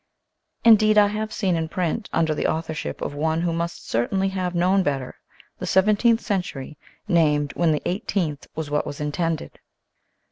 Indeed I have seen in print, under the authorship of one who must certainly have known better, the seventeenth century named when the eighteenth was what was intended.